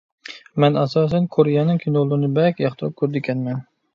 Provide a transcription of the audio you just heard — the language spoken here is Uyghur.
مەن ئاساسەن كورېيەنىڭ كىنولىرىنى بەكرەك ياقتۇرۇپ كۆرىدىكەنمەن.